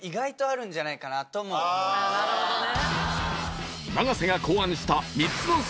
なるほどね。